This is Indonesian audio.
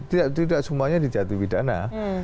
tidak semuanya di jati pidana